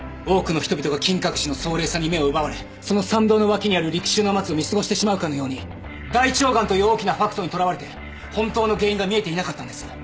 多くの人々が金閣寺の壮麗さに目を奪われその参道の脇にある陸舟の松を見過ごしてしまうかのように大腸がんという大きなファクトにとらわれて本当の原因が見えていなかったんです。